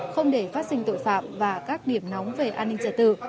không để phát sinh tội phạm và các điểm nóng về an ninh trật tự